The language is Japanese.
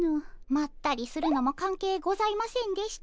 まったりするのも関係ございませんでした。